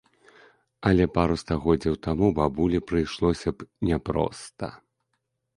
Але пару стагоддзяў таму бабулі прыйшлося б няпроста.